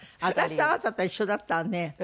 私とあなたと一緒だったらね